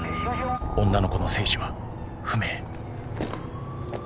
女の子の生死は不明］